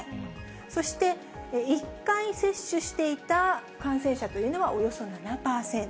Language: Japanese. そして、１回接種していた感染者というのは、およそ７％。